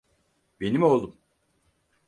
Benim oğlum.